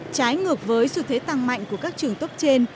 trái ngược với xu thế tăng mạnh của các trường tốt trên